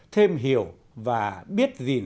thêm hiểu và biết gìn